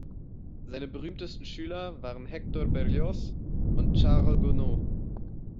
Seine berühmtesten Schüler waren Hector Berlioz und Charles Gounod.